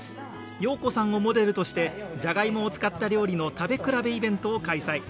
陽子さんをモデルとしてじゃがいもを使った料理の食べ比べイベントを開催。